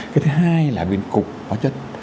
cái thứ hai là nguyên cục hóa chất